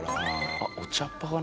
あっお茶っ葉かな？